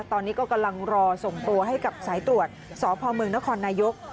ตอนนี้ก็กำลังรอส่งตัวให้กับสายตรวจสพเมืองนครนายก